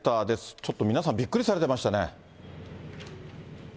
ちょっと皆さん、びっくりされてましたね。